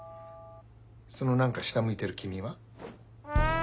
その何か下向いてる君は？